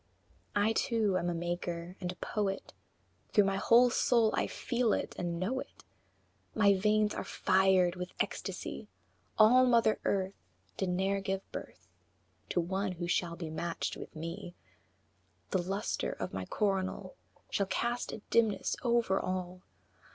VI. I too am a Maker and a Poet; Through my whole soul I feel it and know it; My veins are fired with ecstasy! All mother Earth Did ne'er give birth To one who shall be matched with me; The lustre of my coronal Shall cast a dimness over all.